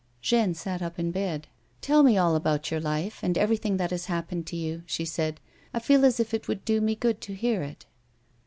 Jeanne sat up in bed. " Tell me all about your life, and everything that has happened to you," she said. " I feel as if it would do me good to hear it."